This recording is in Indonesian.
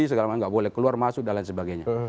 segala macam nggak boleh keluar masuk dan lain sebagainya